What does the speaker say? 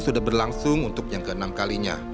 sudah berlangsung untuk yang ke enam kalinya